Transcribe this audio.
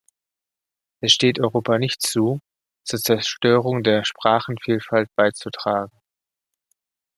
Es steht Europa nicht zu, zur Zerstörung der Sprachenvielfalt beizutragen.